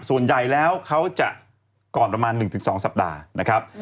ส่วนใหญ่แล้วเขาจะก่อนประมาณ๑๒สัปดาห์นะครับ